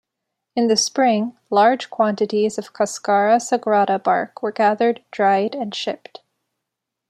In the spring, large quantities of Cascara Sagrada bark were gathered, dried, and shipped.